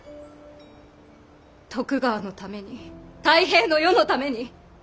徳川のために太平の世のために！